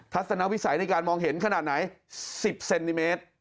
สนวิสัยในการมองเห็นขนาดไหน๑๐เซนติเมตร